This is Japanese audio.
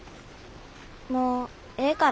もうええから。